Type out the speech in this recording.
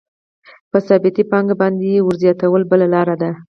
په ثابتې پانګې باندې ورزیاتول بله لاره ده